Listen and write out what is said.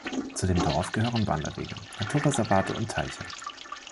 Zu dem Dorf gehören Wanderwege, Naturreservate und Teiche.